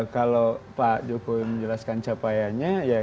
kalau pak jokowi menjelaskan capaiannya